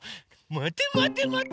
まてまてまて。